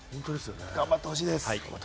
頑張ってほしいです。